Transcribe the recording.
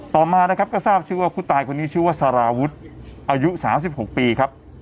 ต่อมานะครับก็ทราบชื่อว่าผู้ตายคนนี้ชื่อว่าสารวุฒิอายุ๓๖ปีครับ